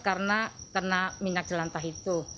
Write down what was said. karena minyak jelanta itu